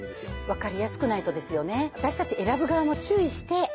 わかりやすくないとですよね。